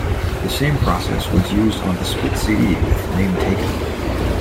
The same process was used on the split CD with Name Taken.